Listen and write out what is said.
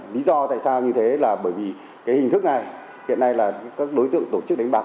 lý do tại sao như thế là bởi vì cái hình thức này hiện nay là các đối tượng tổ chức đánh bạc